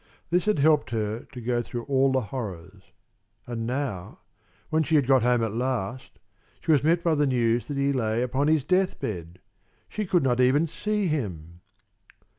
This had helped her to go through all the horrors. And now, when she had got home at last, she was met by the news that he lay upon his death bed! She could not even see him!